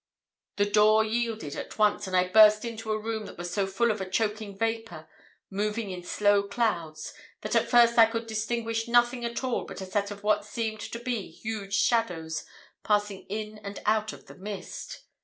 "The door yielded at once, and I burst into a room that was so full of a choking vapour, moving in slow clouds, that at first I could distinguish nothing at all but a set of what seemed to be huge shadows passing in and out of the mist.